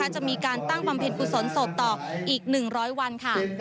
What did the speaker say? จะมีการตั้งความผิดผู้สนสดต่ออีก๑๐๐วัน